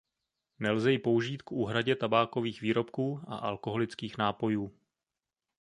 Nelze ji použít k úhradě tabákových výrobků a alkoholických nápojů.